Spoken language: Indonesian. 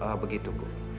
oh begitu bu